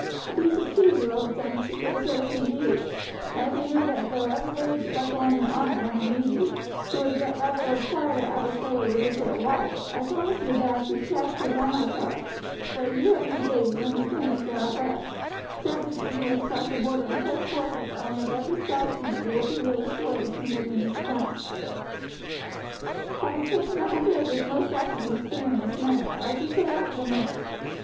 "If you succeed you will have done good service indeed; and as I know that though ever ready to buckle on your armour when I need you, you would yet rather live quiet at Aberfilly with your fair wife, I promise you that if you capture Dunottar, for a year and a day you and your retainers shall have rest, except if the English cross the Border in such force that the arm of every Scotchman able to wield a sword is needed in its defence." Having chosen a hundred of his most active and experienced men Archie set out for the north.